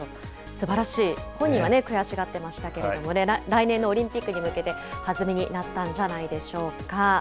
すばらしい、本人は悔しがっていましたけれどもね、来年のオリンピックに向けて、弾みになったんじゃないでしょうか。